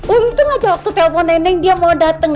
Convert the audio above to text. untung aja waktu telepon neng dia mau dateng